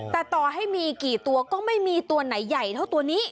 แต่ต่อให้มีกี่ตัวก็ไม่มีตัวไหนใหญ่เท่าตัวนี้